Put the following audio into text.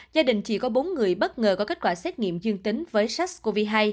gia đình chỉ có bốn người bất ngờ có kết quả xét nghiệm dương tính với sars cov hai